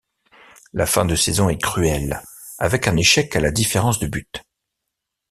La fin de saison est cruelle, avec un échec à la différence de but.